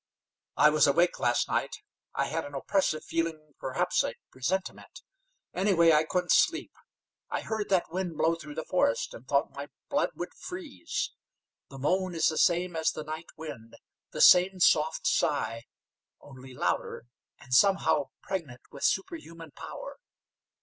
"I was awake last night. I had an oppressive feeling, perhaps a presentiment. Anyway, I couldn't sleep. I heard that wind blow through the forest, and thought my blood would freeze. The moan is the same as the night wind, the same soft sigh, only louder and somehow pregnant with superhuman power.